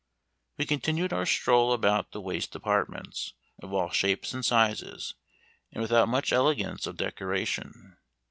We continued our stroll about the waste apartments, of all shapes and sizes, and without much elegance of decoration.